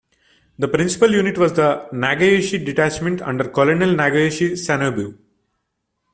The principal unit was the Nagayoshi Detachment under Colonel Nagayoshi Sanonebu.